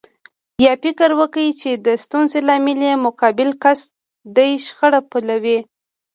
يا فکر وکړي چې د ستونزې لامل يې مقابل کس دی شخړه پيلوي.